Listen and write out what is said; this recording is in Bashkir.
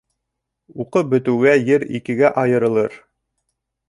Уҡып бөтөүгә ер икегә айырылыр.